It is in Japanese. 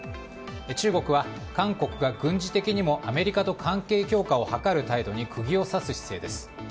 中国は韓国が軍事的にもアメリカと関係強化を図る態度に釘を刺す姿勢です。